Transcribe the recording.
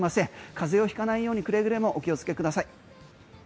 風邪を引かないようにくれぐれもお気をつけください。